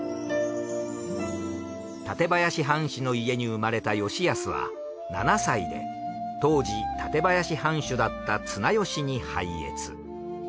館林藩士の家に生まれた吉保は７歳で当時舘林藩主だった綱吉に拝謁。